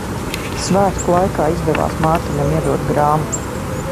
Svētku laikā izdevās Mārtiņam iedot grāmatu.